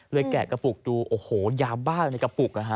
แกะกระปุกดูโอ้โหยาบ้าในกระปุก